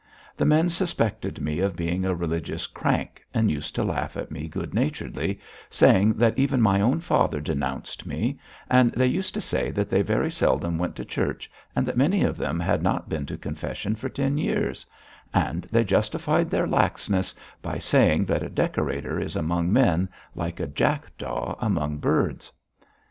The men suspected me of being a religious crank and used to laugh at me good naturedly, saying that even my own father denounced me, and they used to say that they very seldom went to church and that many of them had not been to confession for ten years, and they justified their laxness by saying that a decorator is among men like a jackdaw among birds.